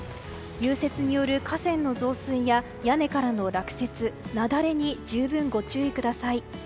融雪による河川の増水や屋根からの落雪・雪崩に十分ご注意ください。